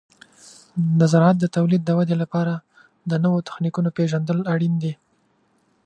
د زراعت د تولید د ودې لپاره د نوو تخنیکونو پیژندل اړین دي.